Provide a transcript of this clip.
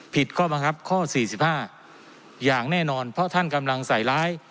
ข้อบังคับข้อ๔๕อย่างแน่นอนเพราะท่านกำลังใส่ร้าย